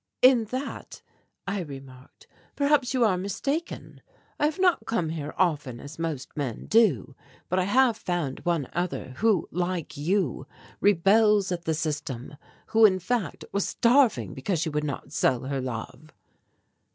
"In that," I remarked, "perhaps you are mistaken. I have not come here often as most men do, but I have found one other who, like you, rebels at the system who in fact, was starving because she would not sell her love."